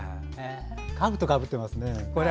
かぶと、かぶってますね。